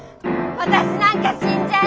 ママなんか死んじゃえ！